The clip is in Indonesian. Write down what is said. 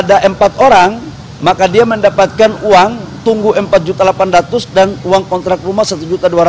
kalau satu kakak itu ada empat orang maka dia mendapatkan uang tunggu empat juta delapan ratus dan uang kontrak rumah satu juta dua ratus